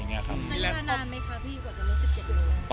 นานนานไหมครับพี่กว่าจะรอ๑๗โล